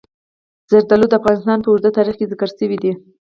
زردالو د افغانستان په اوږده تاریخ کې ذکر شوي دي.